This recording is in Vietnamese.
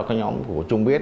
các nhóm của trung biết